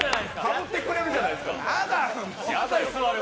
やってくれるじゃないですか。